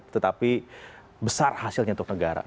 tetapi besar hasilnya untuk negara